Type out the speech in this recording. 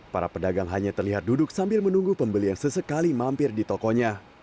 para pedagang hanya terlihat duduk sambil menunggu pembeli yang sesekali mampir di tokonya